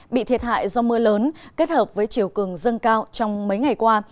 bị thiệt hại do mưa lớn kết hợp với chiều cường dâng cao trong mấy ngày qua